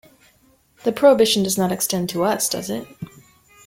The prohibition does not extend to us, does it?